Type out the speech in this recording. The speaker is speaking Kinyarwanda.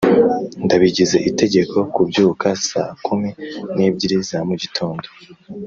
ndabigize itegeko kubyuka saa kumi n'ebyiri za mugitondo.